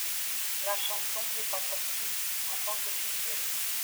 La chanson n'est pas sortie en tant que single.